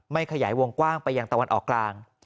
ขยายวงกว้างไปยังตะวันออกกลาง